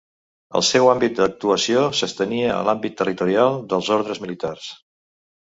El seu àmbit d'actuació s'estenia a l'àmbit territorial dels ordes militars.